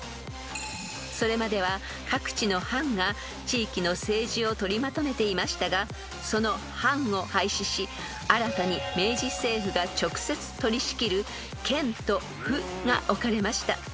［それまでは各地の藩が地域の政治を取りまとめていましたがその藩を廃止し新たに明治政府が直接取り仕切る県と府が置かれました］